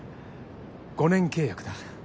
５年契約だ。